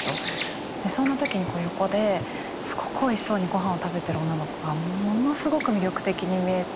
でそんな時にこう横ですごくおいしそうにごはんを食べてる女の子がものすごく魅力的に見えて。